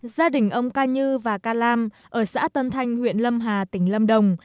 gia đình ông ca như và ca lam ở xã tân thanh huyện lâm hà tỉnh lâm đồng